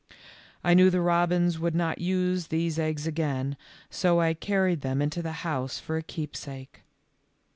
I knew the robins would not use these eggs again, so I carried them into the house for a keepsake.